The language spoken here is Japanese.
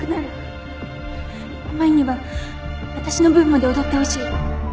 舞には私の分まで踊ってほしい